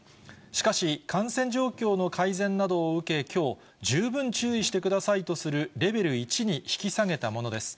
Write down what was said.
しかし、感染状況の改善などを受け、きょう、十分注意してくださいとするレベル１に引き下げたものです。